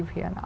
về điều đó